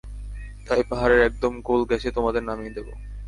তাই, পাহাড়ের একদম কোল ঘেঁষে তোমাদের নামিয়ে দেব!